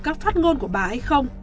các phát ngôn của bài